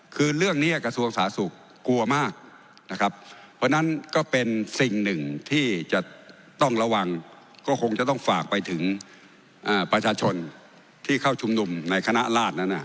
คือเรื่องนี้กระทรวงสาธารณสุขกลัวมากนะครับเพราะฉะนั้นก็เป็นสิ่งหนึ่งที่จะต้องระวังก็คงจะต้องฝากไปถึงประชาชนที่เข้าชุมนุมในคณะราชนั้น